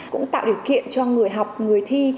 cũng tạo điều kiện cho người học người thi